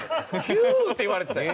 「ヒュー！」って言われてたよ。